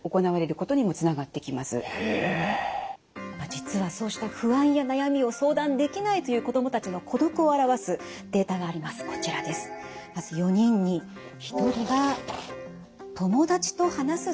実はそうした不安や悩みを相談できないという子どもたちの孤独を表すデータがあります。